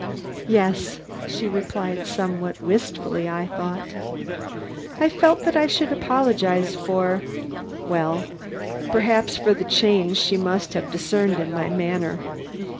"Yes," she replied, somewhat wistfully I thought. I felt that I should apologize for well, perhaps for the change she must have discerned in my manner.